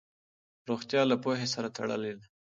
روغتیا له پوهې سره تړلې ده.